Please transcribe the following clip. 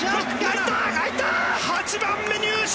８番目、入賞！